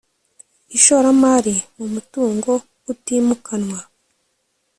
ishoramari mu mutungo utimukanwa